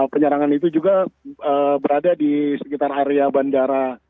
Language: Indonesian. penyerangan itu juga berada di sekitar area bandara